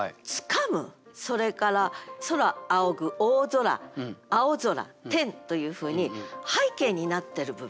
それから「空仰ぐ」「大空」「青空」「天」というふうに背景になってる部分。